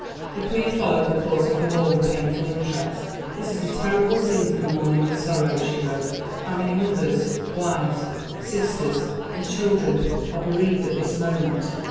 The Queen followed the course of the war with painful interest. "This is a terrible season of mourning and sorrow," she wrote; "how many mothers, wives, sisters, and children are bereaved at this moment.